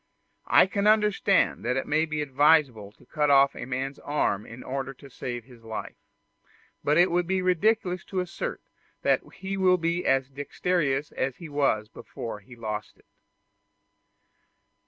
I can understand that it may be advisable to cut off a man's arm in order to save his life; but it would be ridiculous to assert that he will be as dexterous as he was before he lost it.